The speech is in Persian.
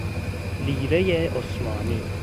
لیرۀ عثمانی